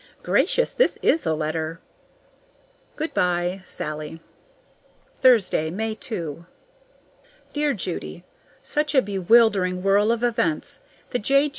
Gracious! this is a letter! Good by. SALLIE. Thursday, May 2. Dear Judy: Such a bewildering whirl of events! The J.